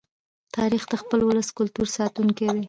تاریخ د خپل ولس د کلتور ساتونکی دی.